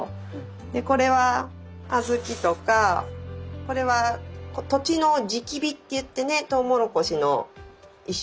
でこれは小豆とかこれは土地の地キビって言ってねトウモロコシの一種。